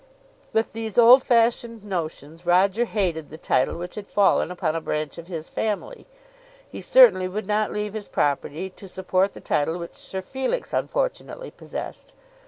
With these old fashioned notions Roger hated the title which had fallen upon a branch of his family. He certainly would not leave his property to support the title which Sir Felix unfortunately possessed.